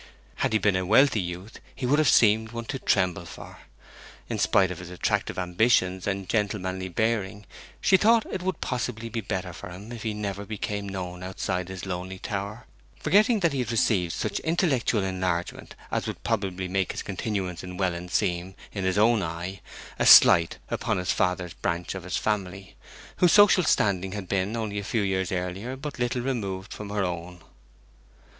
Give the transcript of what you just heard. Had he been a wealthy youth he would have seemed one to tremble for. In spite of his attractive ambitions and gentlemanly bearing, she thought it would possibly be better for him if he never became known outside his lonely tower, forgetting that he had received such intellectual enlargement as would probably make his continuance in Welland seem, in his own eye, a slight upon his father's branch of his family, whose social standing had been, only a few years earlier, but little removed from her own.